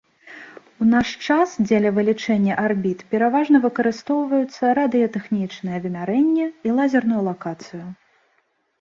У наш час дзеля вылічэння арбіт пераважна выкарыстоўваюцца радыётэхнічныя вымярэнні і лазерную лакацыю.